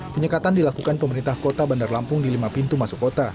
penyekatan dilakukan pemerintah kota bandar lampung di lima pintu masuk kota